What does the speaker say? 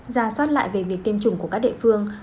ra soát lại về việc tiêm chủng của các địa phương